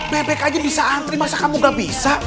bebek aja bisa antri masa kamu gak bisa